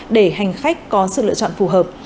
để hành khách có sự lựa chọn phù hợp